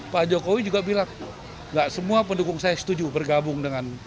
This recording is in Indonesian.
pak jokowi juga bilang gak semua pendukung saya setuju bergabung dengan